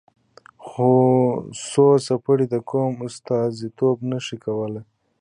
څو څېرې د قوم استازیتوب نه شي کولای.